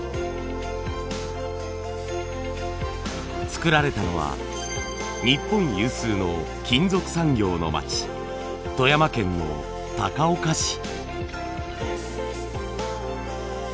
作られたのは日本有数の金属産業の町富山県の高岡市。